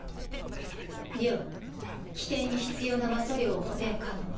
了規定に必要な魔素量を補填可能。